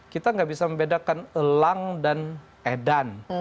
kita nggak bisa membedakan elang dan edan